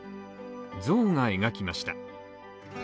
象が描きました。